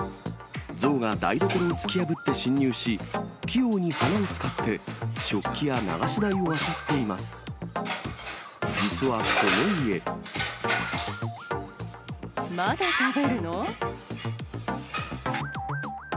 象が台所を突き破って侵入し、器用に鼻を使って、食器や流し台をあさっています。